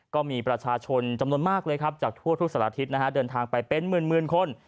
ก็มีประชาชนจำนวนมากเลยครับจากทั่วทุกสารทิศเดินทางไปเป็นหมื่นคน